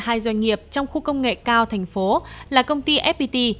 hai doanh nghiệp trong khu công nghệ cao tp hcm là công ty fpt